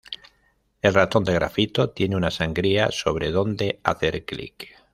El ratón de grafito tiene una sangría sobre dónde hacer clic.